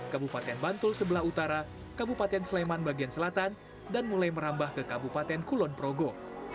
kabupaten bantul sebelah utara kabupaten sleman bagian selatan dan mulai merambah ke kabupaten kulon progo